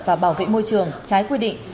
và bảo vệ môi trường trái quy định